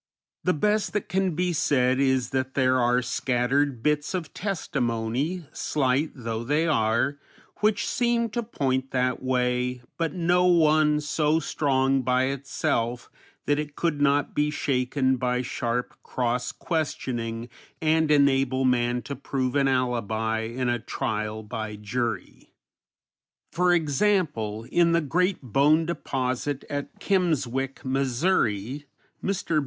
The best that can be said is that there are scattered bits of testimony, slight though they are, which seem to point that way, but no one so strong by itself that it could not be shaken by sharp cross questioning and enable man to prove an alibi in a trial by jury. For example, in the great bone deposit at Kimmswick, Mo., Mr.